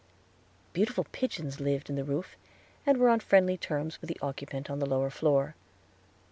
Beautiful pigeons lived in the roof, and were on friendly terms with the occupant on the lower floor.